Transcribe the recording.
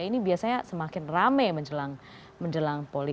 ini biasanya semakin rame menjelang